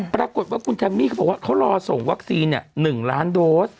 ปรากฏว่าคุณแคมมี่เขาบอกว่าเขารอส่งวัคซีน๑ล้านโดส